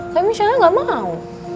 tapi michelle gak mau